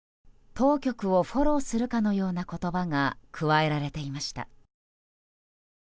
当局をフォローするかのような言葉が加えられていました。